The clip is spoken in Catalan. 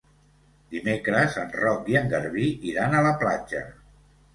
Dimecres en Roc i en Garbí iran a la platja.